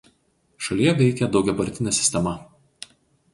Šalyje veikia daugiapartinė sistema.